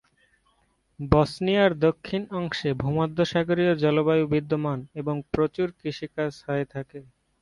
বসনিয়ার দক্ষিণ অংশে ভূমধ্যসাগরীয় জলবায়ু বিদ্যমান এবং প্রচুর কৃষিকাজ হয়ে থাকে।